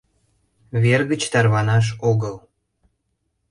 — Вер гыч тарванаш огыл!